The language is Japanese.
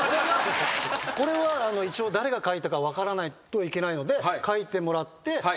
これは一応誰が書いたか分からないといけないので書いてもらって。